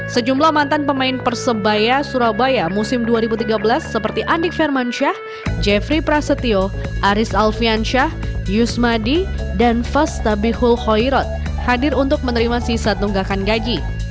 sejumlah mantan pemain persebaya surabaya musim dua ribu tiga belas seperti andik firmansyah jeffrey prasetyo aris alfiansyah yusmadi dan fastabihul hoirot hadir untuk menerima sisa tunggakan gaji